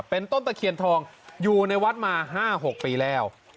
เป็นต้นตะเคียนทองอยู่ในวัดมา๕๖ปีแล้ว